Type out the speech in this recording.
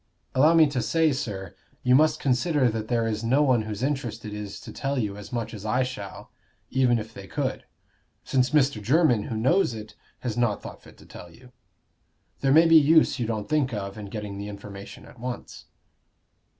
"Allow me to say, sir, you must consider that there is no one whose interest it is to tell you as much as I shall, even if they could; since Mr. Jermyn, who knows it, has not thought fit to tell you. There may be use you don't think of in getting the information at once."